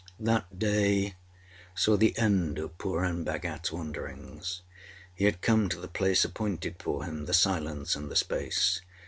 That day saw the end of Purun Bhagatâs wanderings. He had come to the place appointed for him the silence and the space.